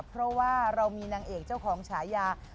เพราะว่าเรามีนางเอกเจ้าของฉายา